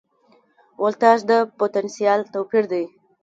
ولتاژ د پوتنسیال توپیر دی.